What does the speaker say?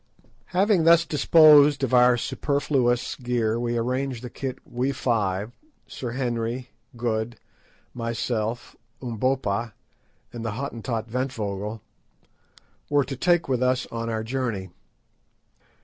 Having thus disposed of our superfluous gear we arranged the kit we five—Sir Henry, Good, myself, Umbopa, and the Hottentot Ventvögel—were to take with us on our journey.